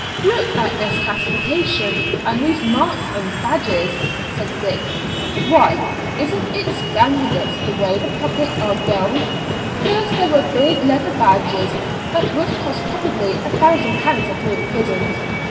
"Look at this classification, and these marks and badges," said Dick, "why, isn't it scandalous the way the public are gulled? First there were big leather badges, that would cost probably a thousand pounds at all the prisons.